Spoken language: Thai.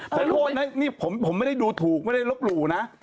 แต่โทษนะนี่ผมไม่ได้ดูถูกไม่ได้ลบหลู่นะ